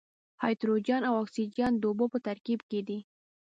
هایدروجن او اکسیجن د اوبو په ترکیب کې دي.